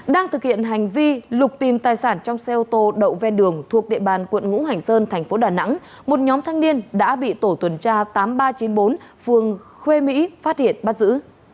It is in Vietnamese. đang thực hiện hành vi lục tìm tài sản trong xe ô tô đậu ven đường thuộc địa bàn quận ngũ hành sơn thành phố đà nẵng một nhóm thanh niên đã bị tổ tuần tra tám nghìn ba trăm chín mươi bốn phường khuê mỹ phát hiện bắt giữ